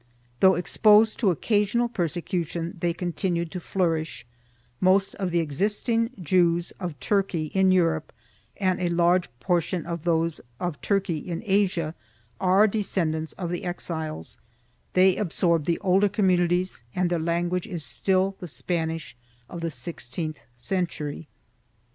Though exposed to occasional perse cution, they continued to flourish; most of the existing Jews of Turkey in Europe and a large portion of those of Turkey in Asia, are descendants of the exiles; they absorbed the older com munities and their language is still the Spanish of the sixteenth century.